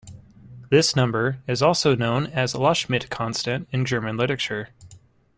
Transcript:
This number is also known as Loschmidt constant in German literature.